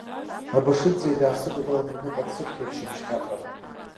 Абашиӡе даасыдгылан, аҩныҟа дсыԥ хьеит шьыбжьхьафара.